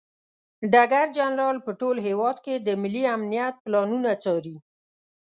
ډګر جنرال په ټول هیواد کې د ملي امنیت پلانونه څاري.